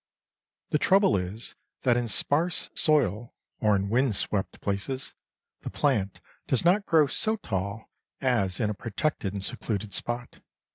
The trouble is that in sparse soil, or in wind swept places, the plant does not grow so tall as in a protected and secluded spot.